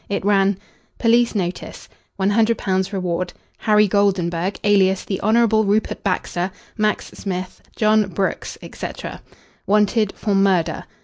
It ran: POLICE NOTICE. £100 REWARD HARRY GOLDENBURG, alias THE HON. RUPERT BAXTER, MAX SMITH, JOHN BROOKS, etc. Wanted For MURDER.